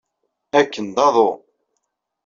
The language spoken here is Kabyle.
Akken d aḍu!